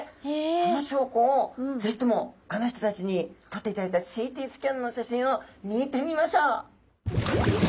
その証拠をぜひともあの人たちにとっていただいたＣＴスキャンの写真を見てみましょう。